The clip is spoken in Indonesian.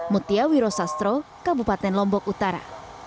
mutia wiro sastro kabupaten lombok utara